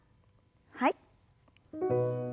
はい。